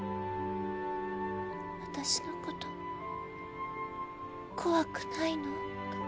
私の事怖くないの？